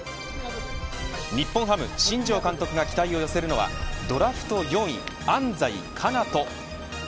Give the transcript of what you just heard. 日本ハム新庄監督が期待を寄せるのはドラフト４位、安西叶翔。